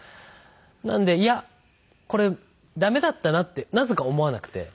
なのでいやこれダメだったなってなぜか思わなくて。